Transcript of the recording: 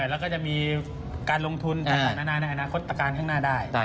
แล้วก็จะมีการลงทุนต่างนานาในอนาคตประการข้างหน้าได้